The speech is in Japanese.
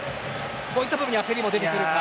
こういった部分に焦りも出るか。